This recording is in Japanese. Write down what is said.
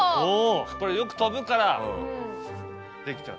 これよく飛ぶからできちゃう。